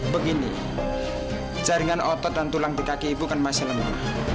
begini jaringan otot dan tulang di kaki ibu kan masih lemah